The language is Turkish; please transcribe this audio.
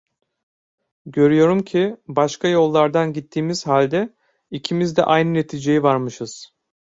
Görüyorum ki, başka yollardan gittiğimiz halde ikimiz de aynı neticeye varmışız.